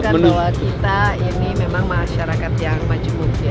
menunjukkan bahwa kita ini memang masyarakat yang beragam